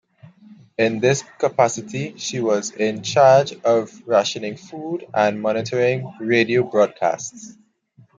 In this capacity she was in charge of rationing food and monitoring radio broadcasts.